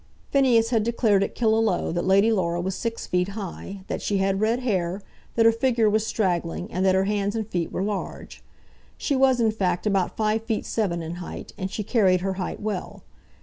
Phineas had declared at Killaloe that Lady Laura was six feet high, that she had red hair, that her figure was straggling, and that her hands and feet were large. She was in fact about five feet seven in height, and she carried her height well.